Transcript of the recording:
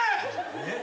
えっ？